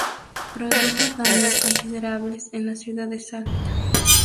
Produjo daños considerables en la ciudad de Salta.